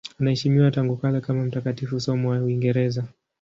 Anaheshimiwa tangu kale kama mtakatifu, somo wa Uingereza.